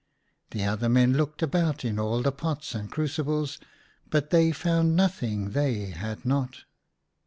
The other men looked about in all the pots and crucibles, but they found nothing they had not.